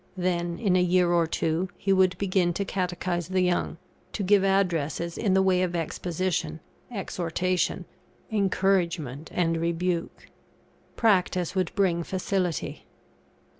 Then, in a year or two, he would begin to catechise the young, to give addresses in the way of exposition, exhortation, encouragement, and rebuke. Practice would bring facility.